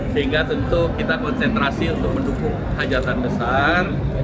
sehingga tentu kita konsentrasi untuk mendukung hajatan besar